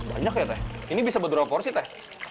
banyak ya teh ini bisa berapa kursi teh